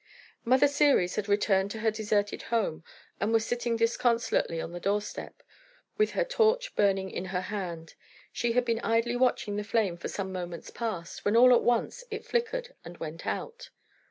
Mother Ceres had returned to her deserted home, and was sitting disconsolately on the doorstep, with her torch burning in her hand. She had been idly watching the flame for some moments past, when all at once it flickered and went out.